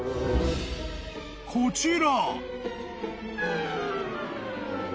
［こちら］